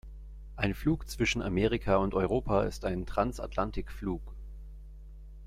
Ein Flug zwischen Amerika und Europa ist ein Transatlantikflug.